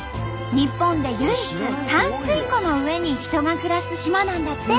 日本で唯一淡水湖の上に人が暮らす島なんだって！